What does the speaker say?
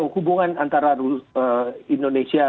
hubungan antara indonesia